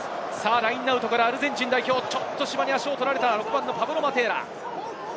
ラインアウトからアルゼンチン、ちょっと芝に足を取られたパブロ・マテーラ。